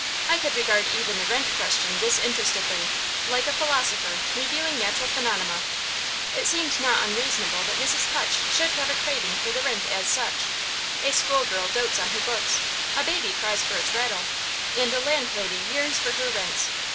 I could regard even the rent question disinterestedly, like a philosopher reviewing natural phenomena. It seemed not unreasonable that Mrs. Hutch should have a craving for the rent as such. A school girl dotes on her books, a baby cries for its rattle, and a landlady yearns for her rents.